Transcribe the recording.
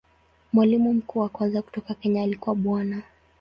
Mwalimu mkuu wa kwanza kutoka Kenya alikuwa Bwana.